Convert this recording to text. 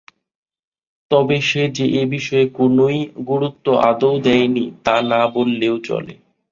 তবে সে যে এ বিষয়ে কোনোই গুরুত্ব আদৌ দেয়নি তা না বললেও চলে।